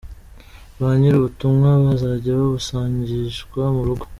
Ba nyir’ubutumwa bazajya babusangishwa mu rugo.